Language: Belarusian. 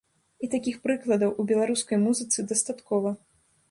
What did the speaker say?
І такіх прыкладаў у беларускай музыцы дастаткова.